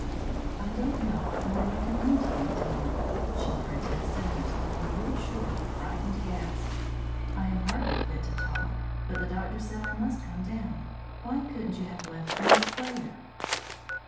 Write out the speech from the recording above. "I don't know what more you can want of me to night," she protested in a tone little short of a frightened gasp. "I am hardly fit to talk. But the doctor said I must come down. Why couldn't you have left me with Claire?"